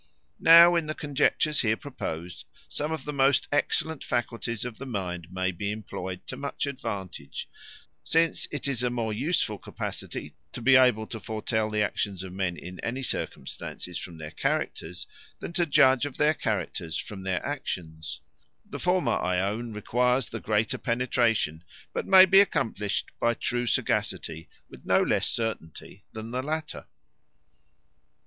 Now, in the conjectures here proposed, some of the most excellent faculties of the mind may be employed to much advantage, since it is a more useful capacity to be able to foretel the actions of men, in any circumstance, from their characters, than to judge of their characters from their actions. The former, I own, requires the greater penetration; but may be accomplished by true sagacity with no less certainty than the latter.